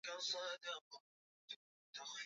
Kesho pia ni siku tutajaribu